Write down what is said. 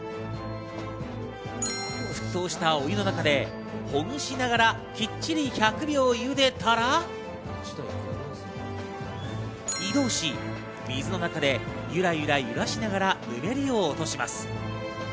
沸騰したお湯の中でほぐしながら、きっちり１００秒茹でたら、移動し、水の中でゆらゆら揺らしながら、ぬめりを落とします。